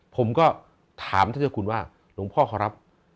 ผมก็ถามท่านเจ้าคุณว่าหลวงพ่อเขารับ